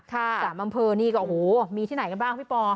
สามอำเภอนี่ก็โอ้โหมีที่ไหนกันบ้างพี่ปอ